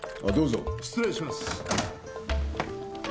失礼します。